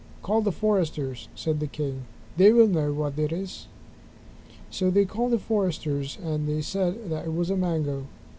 "Call the foresters," said the king, "They will know what it is." So they called the foresters and they said that it was a mango.